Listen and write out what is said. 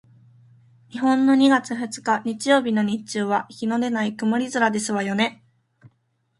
日本の二月二日日曜日の日中は日のでない曇り空ですわよね？